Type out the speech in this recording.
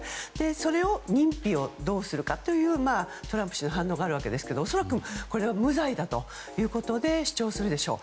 それの認否をどうするかというトランプ氏の反応があるわけですが恐らくこれは無罪だということを主張するでしょう。